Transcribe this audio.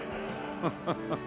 ハハハ。